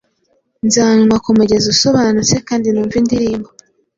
Nzanywa kumugezi usobanutse, Kandi numve indirimbo